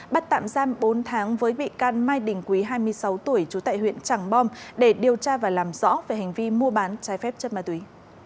bắt tạm giam bốn tháng với bị can mai đình quý hai mươi sáu tuổi trú tại huyện tràng bom để điều tra và làm rõ về hành vi mua bán trái phép chất ma túy